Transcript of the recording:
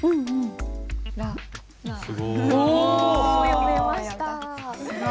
読めました。